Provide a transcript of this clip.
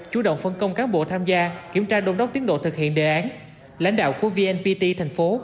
chủ động phân công cán bộ tham gia kiểm tra đôn đốc tiến độ thực hiện đề án lãnh đạo của vnpt thành phố